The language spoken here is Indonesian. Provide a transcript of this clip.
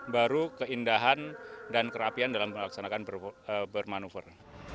baru keindahan dan kerapian dalam melaksanakan bermanuver